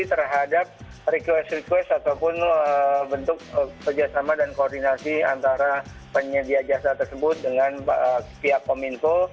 terhadap request request ataupun bentuk kerjasama dan koordinasi antara penyedia jasa tersebut dengan pihak kominfo